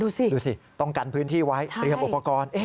ดูสิดูสิต้องกันพื้นที่ไว้เตรียมอุปกรณ์